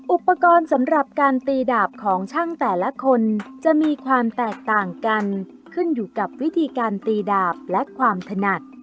อุปกรณ์สำหรับการตีดาบของช่างแต่ละคนจะมีความแตกต่างกันขึ้นอยู่กับวิธีการตีดาบและความถนัด